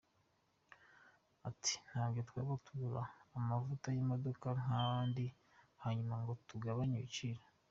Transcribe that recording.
Ati “Ntabwo twaba tugura amavuta y’imodoka nk’abandi hanyuma ngo tugabanye ibiciro.